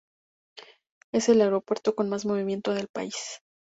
Es el aeropuerto con más movimiento del país.